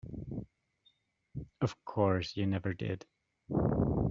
Of course you never did.